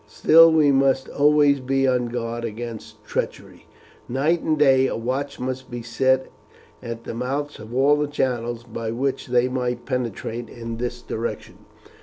Still, we must always be on guard against treachery. Night and day a watch must be set at the mouths of all the channels by which they might penetrate in this direction."